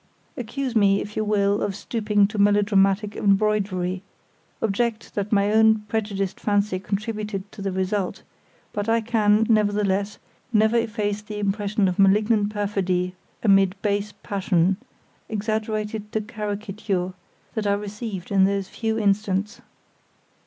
Accuse me, if you will, of stooping to melodramatic embroidery; object that my own prejudiced fancy contributed to the result; but I can, nevertheless, never efface the impression of malignant perfidy and base passion, exaggerated to caricature, that I received in those few instants.